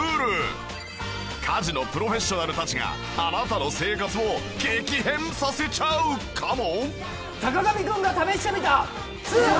家事のプロフェッショナルたちがあなたの生活を激変させちゃうかも！？